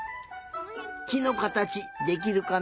きのかたちできるかな？